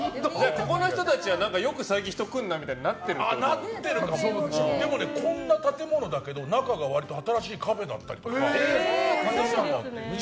個々の人たちはよく最近、人来るなみたいにでも、こんな建物だけど中が割りと新しいカフェだったりとか。